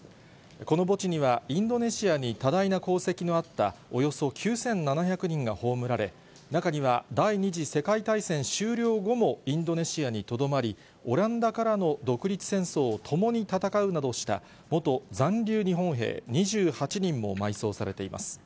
この墓地には、インドネシアに多大な功績のあったおよそ９７００人が葬られ、中には第２次世界大戦終了後もインドネシアにとどまり、オランダからの独立戦争をともに戦うなどした、元残留日本兵２８